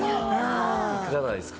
いかないですか？